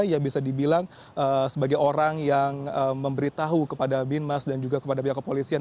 yang bisa dibilang sebagai orang yang memberitahu kepada binmas dan juga kepada pihak kepolisian